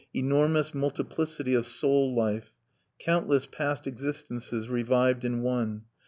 Enormous multiplicity of soul life, countless past existences revived in one.